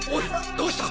どうした？